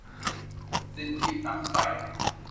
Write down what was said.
สิ้นชีพตักษัย